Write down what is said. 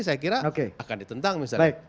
saya kira akan ditentang misalnya